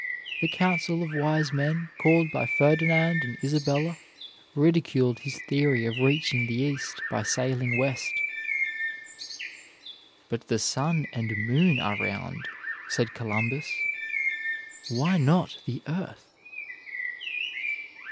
The council of wise men called by Ferdinand and Isabella ridiculed his theory of reaching the east by sailing west. "But the sun and moon are round," said Columbus, "why not the earth?"